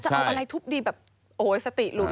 จะเอาอะไรทุบดีแบบโอ้โหสติหลุด